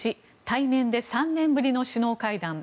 １対面で３年ぶりの首脳会談。